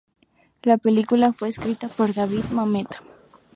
La película fue escrita por David Mamet.